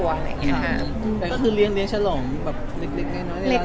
อย่างเงี้ยครับอืมแบบคือเรียนเรียนฉลมแบบเล็กเล็กน้อยเล็กไว้